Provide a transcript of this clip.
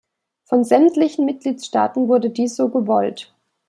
Von sämtlichen Mitgliedstaaten wurde dies so gewollt.